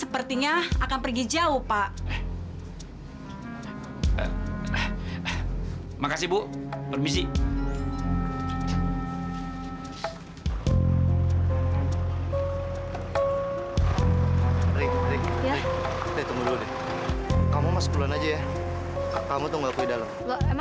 paradisi orang baru baru ini hanya menjadi pembela